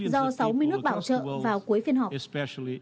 do sáu mươi nước bảo trợ vào cuối phiên họp